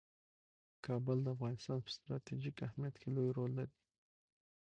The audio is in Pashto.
کابل د افغانستان په ستراتیژیک اهمیت کې لوی رول لري.